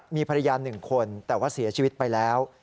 มีภรรยา๑คนแต่ว่าเสียชีวิตไปแล้ว